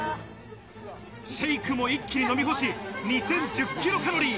シェイクも一気に飲み干し、２０１０キロカロリー。